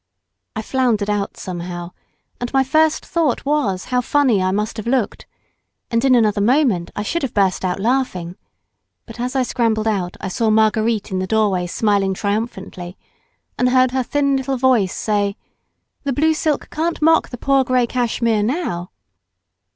I floundered out somehow, and my first thought was how funny I must have looked, and in another moment I should hove burst out laughing, but as I scrambled out, I saw Marguerite in the doorway smiling triumphantly, and heard her thin little voice say, "The blue silk can't mock the poor grey cashmere now!"